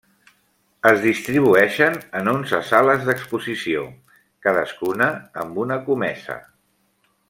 Es distribueixen en onze sales d'exposició, cadascuna amb una comesa.